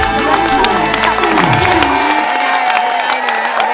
เงิน